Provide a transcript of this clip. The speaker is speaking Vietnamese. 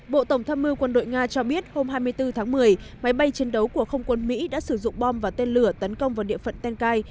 bộ tổng tham mưu quân đội nga cho biết hôm hai mươi bốn tháng một mươi máy bay chiến đấu của không quân mỹ đã sử dụng bom và tên lửa tấn công vào địa phận tengkai